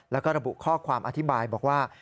แล้วก็ระบุข้อความอธิบายบอกว่า